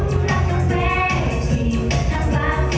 ต้องกะเยอะเยอะจริงได้มาก